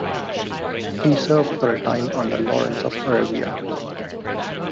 He served for a time under Lawrence of Arabia.